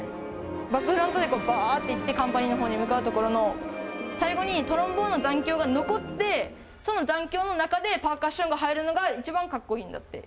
バックフロントでばーっと行って、カンパニーのほうに向かうところの、最後のトロンボーンの残響が残って、その残響の中でパーカッションが入るのが、一番かっこいいんだって。